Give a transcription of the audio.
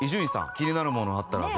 気になるものあったらぜひ。